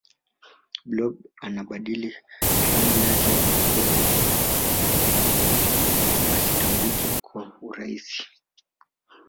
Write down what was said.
blob anabadili rangi yake ya ngozi asitambulika kwa urahisi